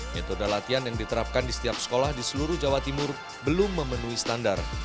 metode latihan yang diterapkan di setiap sekolah di seluruh jawa timur belum memenuhi standar